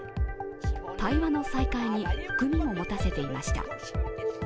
対話の再開に含みを持たせていました。